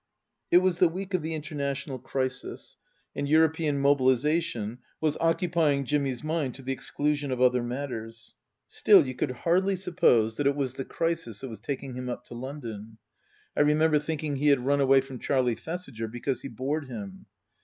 It was the week of the international crisis, and European mobilization was occupying Jimmy's mind to the exclusion of other matters. Still, you could hardly suppose that it Book II : Her Book 229 was the crisis that was taking him up to London. I remember thinking he had run away from Charlie Thesiger, because he bored him.